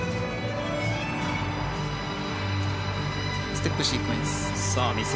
ステップシークエンス。